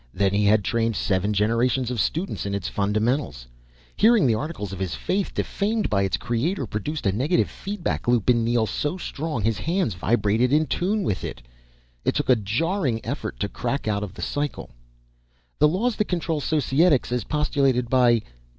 Then he had trained seven generations of students in its fundamentals. Hearing the article of his faith defamed by its creator produced a negative feedback loop in Neel so strong his hands vibrated in tune with it. It took a jarring effort to crack out of the cycle. "The laws that control Societics, as postulated by